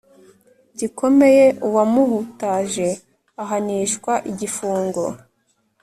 gikomeye uwamuhutaje ahanishwa igifungo